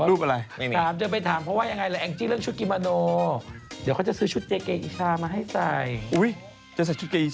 อุ๊ยเจ๊ใส่ชุดเก๋อิชาเลยเหรอ